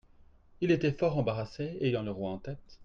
Il était fort embarrassé, ayant le roi en tête.